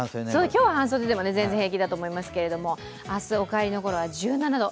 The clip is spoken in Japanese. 今日は半袖でも全然平気だと思いますけど明日、お帰りの頃は１７度。